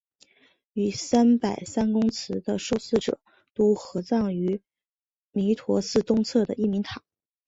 与五百三公祠的受祀者都合葬于弥陀寺东侧的义民塔。